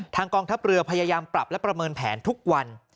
กองทัพเรือพยายามปรับและประเมินแผนทุกวัน